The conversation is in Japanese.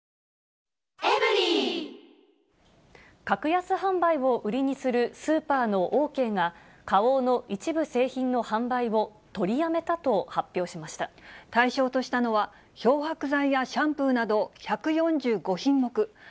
格安販売を売りにするスーパーのオーケーが、花王の一部製品の販売を取りやめたと発表しまし対象としたのは、漂白剤やシャンプーなど１４５品目。